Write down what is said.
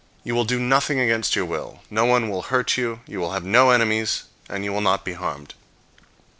You will do nothing against your will. No one will hurt you, you will have no enemies, and you not be harmed.